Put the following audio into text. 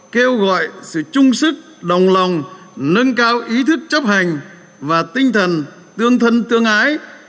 kêu gọi sự chung sức đồng lòng nâng cao ý thức chấp hành và tinh thần tương thân tương ái